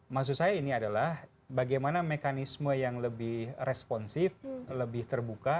maksud saya ini adalah bagaimana mekanisme yang lebih responsif lebih terbuka